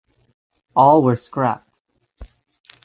All were scrapped.